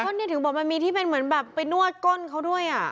เขานี่ถึงบอกมันมีที่แบบกินด้วย